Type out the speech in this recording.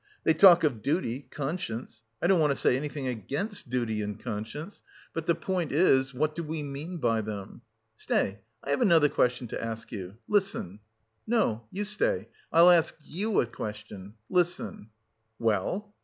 They talk of duty, conscience I don't want to say anything against duty and conscience; but the point is, what do we mean by them? Stay, I have another question to ask you. Listen!" "No, you stay, I'll ask you a question. Listen!" "Well?"